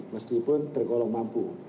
meskipun tergolong mampu